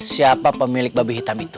siapa pemilik babi hitam itu